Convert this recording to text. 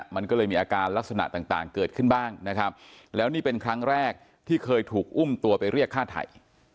มันก็เลยมีอาการลักษณะต่างเกิดขึ้นบ้างนะครับแล้วนี่เป็นครั้งแรกที่เคยถูกอุ้มตัวไปเรียกฆ่าไทย